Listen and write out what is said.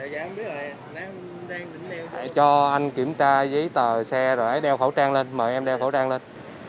dạ không biết rồi cho anh kiểm tra giấy tờ xe rồi ấy đeo khẩu trang lên mời em đeo khẩu trang lên